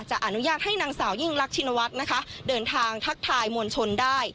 อนุญาตให้นางสาวยิ่งรักชินวัฒน์นะคะเดินทางทักทายมวลชนได้